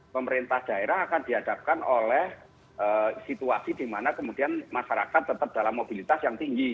pemerintah daerah akan dihadapkan oleh situasi di mana kemudian masyarakat tetap dalam mobilitas yang tinggi